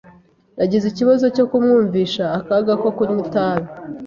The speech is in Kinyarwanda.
Nagize ikibazo cyo kumwumvisha akaga ko kunywa itabi.